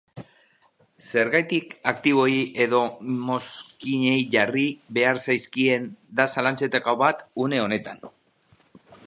Zergak aktiboei edo mozkinei jarri behar zaizkien, da zalantzetako bat une honetan.